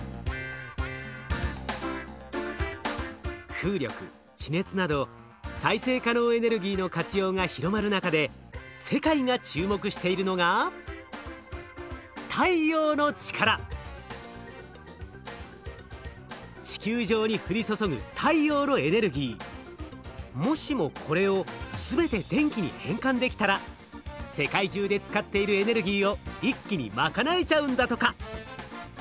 風力地熱など再生可能エネルギーの活用が広まる中で世界が注目しているのがもしもこれを全て電気に変換できたら世界中で使っているエネルギーを一気にまかなえちゃうんだとか。